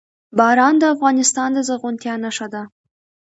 باران د افغانستان د زرغونتیا نښه ده.